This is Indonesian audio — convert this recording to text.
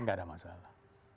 tidak ada masalah